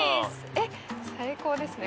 えっ最高ですね